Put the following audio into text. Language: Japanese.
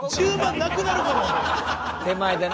手前でな。